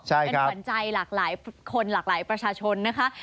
เป็นขวัญใจหลากหลายคนหลากหลายประชาชนนะคะ